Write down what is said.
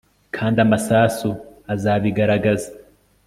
kandi amasasu azabigaragaza